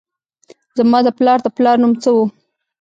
زما د پلار د پلار نوم څه و؟